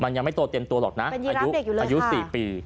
มันยังไม่โตเตรียมตัวหรอกนะเป็นยีราฟเด็กอยู่เลยค่ะอายุสี่ปี